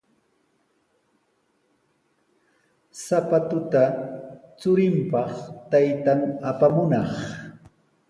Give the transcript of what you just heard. Sapatuta churinpaq taytan apamunaq.